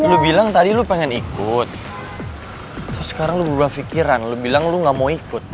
lu bilang tadi lo pengen ikut terus sekarang lo berubah pikiran lu bilang lo gak mau ikut